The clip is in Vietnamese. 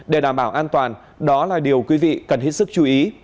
để đảm bảo an toàn đó là điều quý vị cần hết sức chú ý